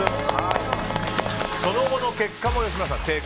その後の結果も吉村さん、正解。